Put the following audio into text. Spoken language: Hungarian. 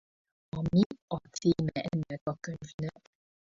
A Mi a címe ennek a könyvnek?